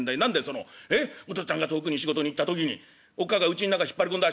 そのお父っつぁんが遠くに仕事に行った時におっ母がうちん中引っ張り込んだ